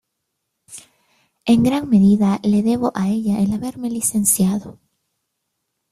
En gran medida le debo a ella el haberme Licenciado.